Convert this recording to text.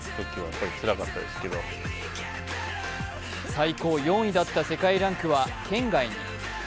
最高４位だった世界ランクは圏外に。